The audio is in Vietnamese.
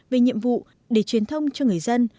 về nhiệm vụ để truyền thông cho người dân